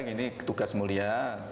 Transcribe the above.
ini tugas mulia